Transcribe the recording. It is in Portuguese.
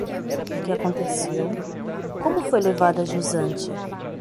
O que aconteceu, como foi levado a jusante?